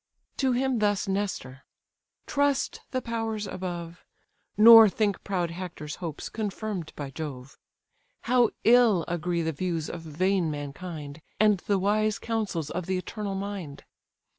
To him thus Nestor: "Trust the powers above, Nor think proud Hector's hopes confirm'd by Jove: How ill agree the views of vain mankind, And the wise counsels of the eternal mind!